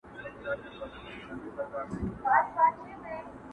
زاړه خبري بيا راژوندي کيږي.